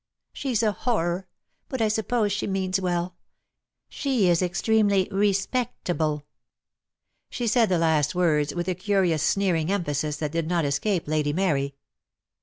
"She's a horror; but I suppose she means well. She is extremely respectable." She said the last words with a curious sneering emphasis that did not escape Lady Mary.